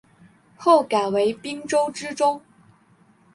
后改为滨州知州。